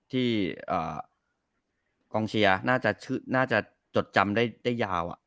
ที่กองเชียร์น่าจะจดจำได้ยาว